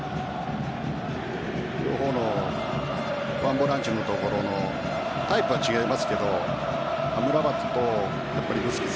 両方の１ボランチのところのタイプは違いますけどアムラバトとブスケツ